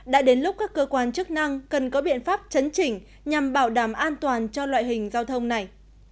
đã đến lúc các cơ quan chức năng cần có biện pháp chấn chỉnh nhằm bảo đảm an toàn cho loại hình giao thông này